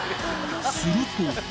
［すると］